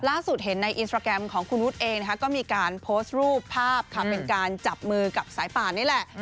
ล่าสุดเห็นในอินสตราแกรมของคุณวุฒิเองนะคะก็มีการโพสต์รูปภาพค่ะเป็นการจับมือกับสายป่านนี่แหละ